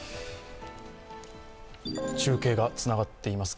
中継がつながっています。